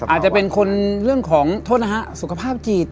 อาจจะเป็นคนเรื่องของโทษนะฮะสุขภาพจิต